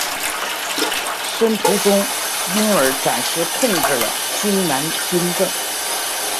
申屠琮因而暂时控制了荆南军政。